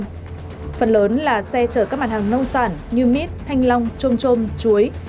phần lớn là xe chở các mặt hàng nông sản như mít thanh long trôm trôm chuối